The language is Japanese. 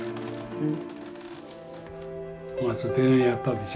うん。